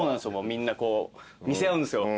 みんな見せ合うんですよ